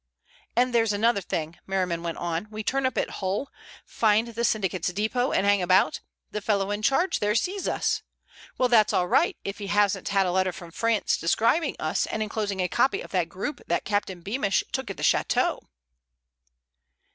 "And there's another thing," Merriman went on. "We turn up at Hull, find the syndicate's depot and hang about, the fellow in charge there sees us. Well, that's all right if he hasn't had a letter from France describing us and enclosing a copy of that group that Captain Beamish took at the chateau."